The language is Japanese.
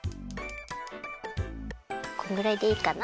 このぐらいでいいかな？